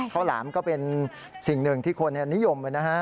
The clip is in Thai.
หลามก็เป็นสิ่งหนึ่งที่คนนิยมนะฮะ